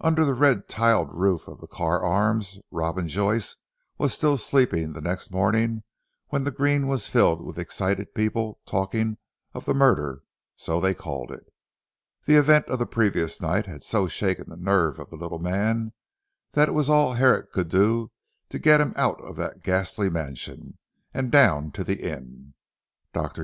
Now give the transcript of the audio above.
Under the red tiled roof of 'The Carr Arms,' Robin Joyce was still sleeping the next morning when the green was filled with excited people talking of the murder so they called it. The events of the previous night had so shaken the nerve of the little man, that it was all Herrick could do to get him out of that ghastly mansion, and down to the inn. Dr.